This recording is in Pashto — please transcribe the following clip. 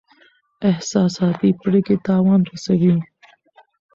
احساساتي پریکړې تاوان رسوي.